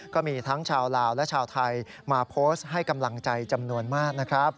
ก็มีทั้งชาวลาวและชาวไทยมาโพสต์ให้กำลังใจจำนวนมากนะครับ